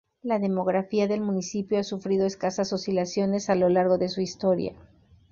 La demografía del municipio ha sufrido escasas oscilaciones a lo largo de su historia.